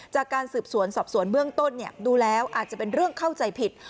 จากการสืบสวนสอบสวนเบื้องต้นดูแล้วอาจจะเป็นเรื่องเข้าใจผิด